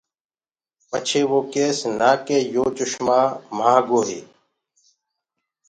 پڇي وو ڪيس نآ ڪي يو چسمو مهآنگو هي۔